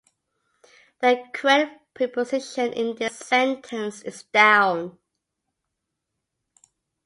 The correct preposition in this sentence is "down".